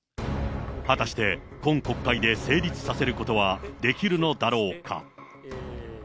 果たして、今国会で成立させることはできるのだろうか。